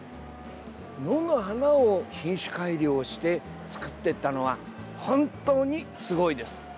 野の花を品種改良して作っていったのは本当にすごいです。